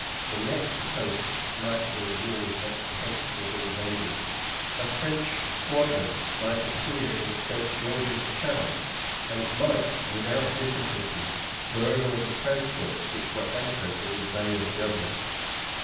The next post might bring news that Kent was invaded. A French squadron might appear in Saint George's Channel, and might without difficulty burn all the transports which were anchored in the Bay of Dublin.